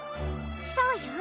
そうよ。